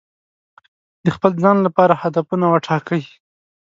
د خپل ځان لپاره هدفونه وټاکئ.